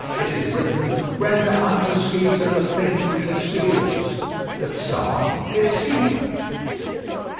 It is written, 'Render unto Cæsar the things which are Cæsar's.' The Czar is Cæsar."